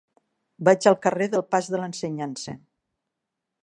Vaig al carrer del Pas de l'Ensenyança.